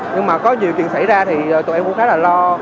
nhưng mà có nhiều chuyện xảy ra thì tụi em cũng khá là lo